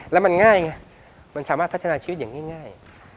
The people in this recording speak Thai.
แล้วมันง่ายไงมันสามารถพัฒนาชีวิตอย่างง่าย